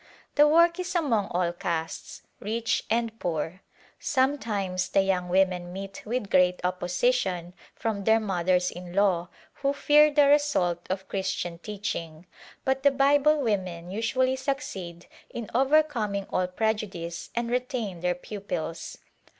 The work is among all castes, rich and poor. Sometimes the young women meet with great opposition from their mothers in law who fear the result of Christian teaching, but the Bible women usually succeed in overcoming all prejudice and retain their pupils.